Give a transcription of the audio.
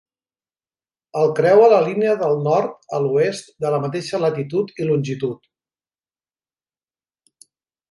El creua la línia del nord a l'oest de la mateixa latitud i longitud.